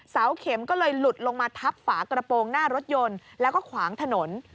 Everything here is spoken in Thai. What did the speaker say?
เสาเข็มก็เลยหลุดลงมาทับฝากระโปรงหน้ารถยนต์แล้วก็ขวางถนน